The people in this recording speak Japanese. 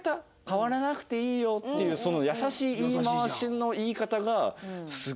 「変わらなくていいよ」っていうその優しい言い回しの言い方が。